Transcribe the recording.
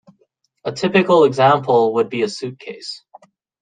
A typical example would be a suitcase.